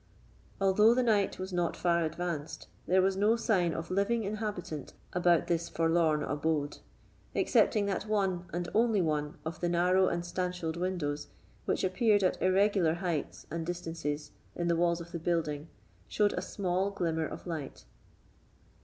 Although the night was not far advanced, there was no sign of living inhabitant about this forlorn abode, excepting that one, and only one, of the narrow and stanchelled windows which appeared at irregular heights and distances in the walls of the building showed a small glimmer of light.